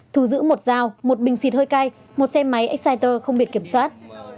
thu giữ một dao một bình xịt hơi cay một xe máy exciter không biệt kiểm soát